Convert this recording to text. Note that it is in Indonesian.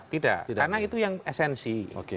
tidak karena itu yang esensi